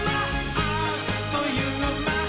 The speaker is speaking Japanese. あっというまっ！」